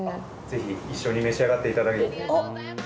ぜひ一緒に召し上がっていただいて。